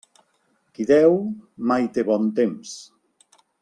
Qui deu, mai té bon temps.